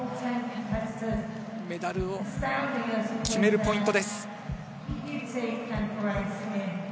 メダルを決めるポイントです。